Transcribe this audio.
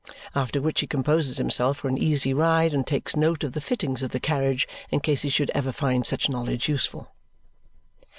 After which he composes himself for an easy ride and takes note of the fittings of the carriage in case he should ever find such knowledge useful.